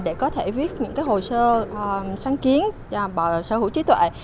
để có thể viết những hồ sơ sáng kiến sở hữu trí tuệ